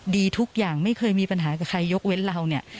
ดีทุกอย่างไม่เคยมีปัญหากับใครยกเว้นเราเนี่ย